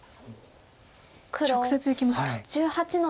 直接いきました。